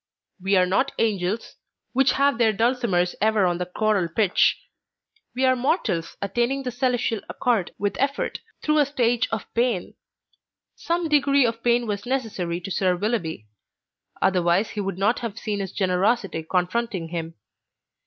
We are not angels, which have their dulcimers ever on the choral pitch. We are mortals attaining the celestial accord with effort, through a stage of pain. Some degree of pain was necessary to Sir Willoughby, otherwise he would not have seen his generosity confronting him.